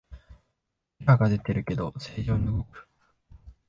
エラーが出てるけど正常に動く